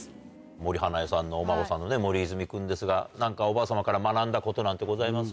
森英恵さんのお孫さんの森泉君ですが何かおばあ様から学んだことなんてございます？